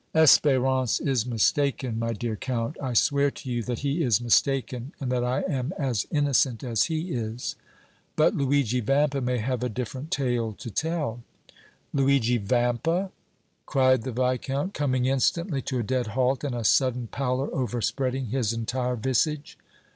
"Espérance is mistaken, my dear Count; I swear to you that he is mistaken and that I am as innocent as he is!" "But Luigi Vampa may have a different tale to tell!" "Luigi Vampa!" cried the Viscount, coming instantly to a dead halt, and a sudden pallor overspreading his entire visage.